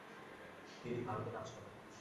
তিনি ভারতে কাজ করেন।